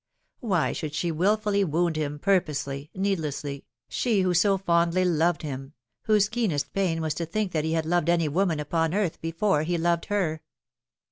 Why should she wilfully wound him, purposely, needlessly, she who so fondly loved him, whose keenest pain was to think that he had loved any woman upon earth before he loved her